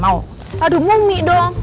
aduh mumi dong